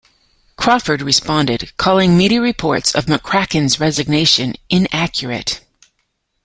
Crawford responded, calling media reports of McCracken's resignation "inaccurate.